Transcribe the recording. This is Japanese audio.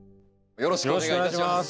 よろしくお願いします。